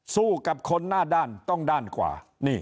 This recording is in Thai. สู้กับคนหน้าด้านต้องด้านกว่า